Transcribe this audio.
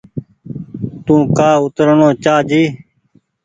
تو ڪآ اوترڻو چآ جي۔